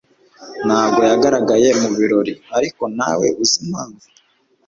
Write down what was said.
Ntabwo yagaragaye mu birori, ariko ntawe uzi impamvu.